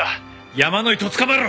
山野井とっ捕まえろ！」